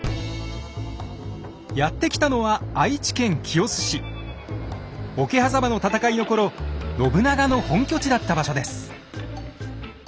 やって来たのは桶狭間の戦いの頃信長の本拠地だった場所です。